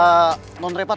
ya motornya sih gue inget